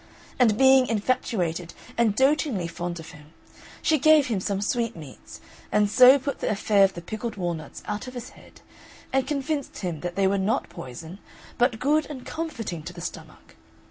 And being infatuated and dotingly fond of him, she gave him some nice sweetmeats, and so put the affair of the pickled walnuts out of his head, and convinced him that they were not poison, but good and comforting to the stomach.